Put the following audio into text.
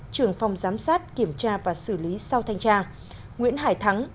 trưởng phòng giám sát kiểm tra và xử lý sau thanh tra nguyễn hải thắng